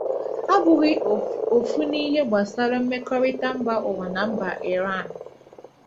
abụghị ofu n’ihe gbasara mmekọrịta mba ụwa na mba Iran